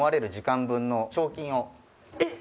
えっ！